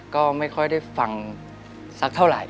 ก็ไม่ค่อยได้ฟังสักเท่าไหร่